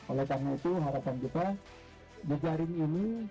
oleh karena itu harapan kita di jaring ini